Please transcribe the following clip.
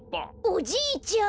おじいちゃん。